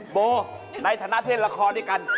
โบในฐานะที่เล่นละครด้วยกัน